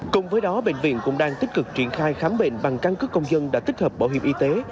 cùng với đó bệnh viện cũng đang tích cực triển khai khám bệnh bằng căn cứ công dân đã tích hợp bảo hiểm y tế